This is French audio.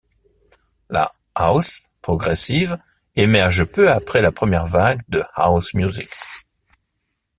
La house progressive émerge peu après la première vague de house music.